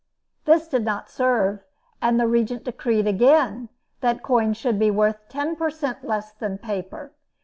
This did not serve, and the Regent decreed again, that coin should be worth ten per cent. less than paper.